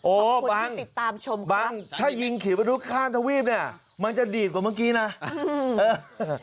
โอ้บังบังถ้ายิงขี่ปนาวุฒิข้างทวีฟเนี่ยมันจะดีกว่าเมื่อกี้นะอื้อ